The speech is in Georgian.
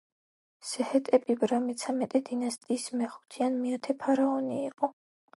სეჰეტეპიბრა მეცამეტე დინასტიის მეხუთე ან მეათე ფარაონი იყო.